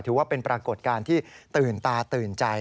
ถือว่าเป็นปรากฏการณ์ที่ตื่นตาตื่นใจ